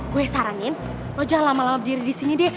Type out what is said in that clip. gue saranin oh jangan lama lama berdiri di sini deh